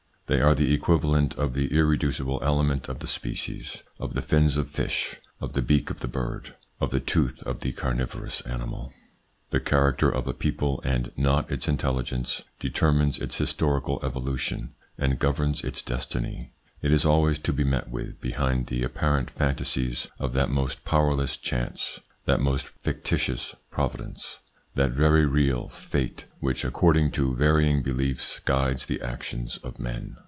They are the * equivalent of the irreducible element of the species, of the fins of fish, of the beak of the bird, of the tooth of the carnivorous animal. The character of a people and not its intelligence ^ determines its historical evolution, and governs its destiny. It is always to be met with behind the apparent fantasies of that most powerless chance, that most fictitious Providence, that very real Fate which, according to varying beliefs, guides the actions of men.